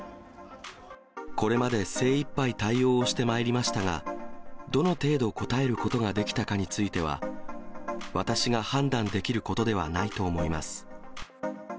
これまで、精いっぱい対応をしてまいりましたが、どの程度応えることができたかについては、私が判断できることではないと思います。